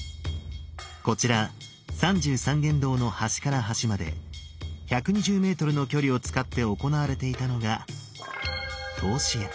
こちら三十三間堂の端から端まで１２０ｍの距離を使って行われていたのが「通し矢」。